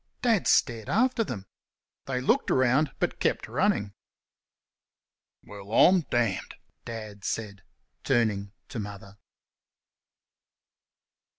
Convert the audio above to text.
Dad stared after them. They looked round, but kept running. "Well, I'm damned!" Dad said, turning to Mother.